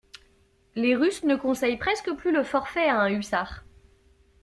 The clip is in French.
Les russes ne conseillent presque plus le forfait à un hussard...